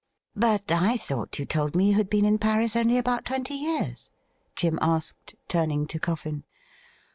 ' But I thought you told me you had been in Paris only about twenty years i" Jim asked, turning to Coffin.